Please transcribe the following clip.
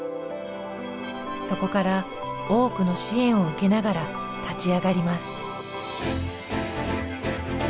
そこから多くの支援を受けながら立ち上がります。